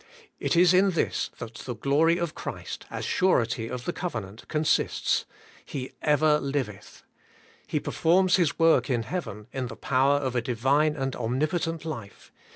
It is in this that the glory of Christ as surety of the covenant con sists : He ever liveth. He performs His work in heav en in the power of a Divine and omnipotent life.